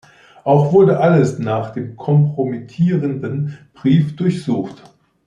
Auch wurde alles nach kompromittierenden Briefen durchsucht.